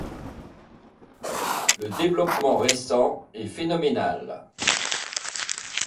Le développement récent est phénoménal.